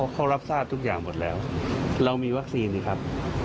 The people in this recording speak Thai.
เขารับทราบทุกอย่างหมดแล้วเรามีวัคซีนสิครับ